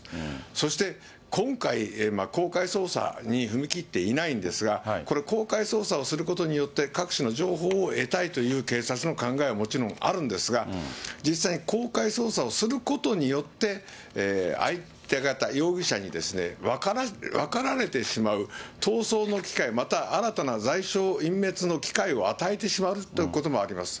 そして今回、公開捜査に踏み切っていないんですが、これ、公開捜査をすることによって、各種の情報を得たいという警察の考えはもちろんあるんですが、実際に公開捜査をすることによって、相手方、容疑者に分かられてしまう、逃走の機会、また新たな罪証隠滅の機会を与えてしまうということもあります。